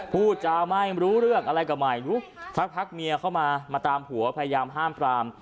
พูดจาไม่รู้เรื่องอะไรก็ไม่รู้สักพักเมียเข้ามามาตามผัวพยายามห้ามปราม